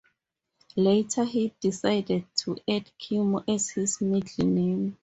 Later he decided to add Kimo as his middle name.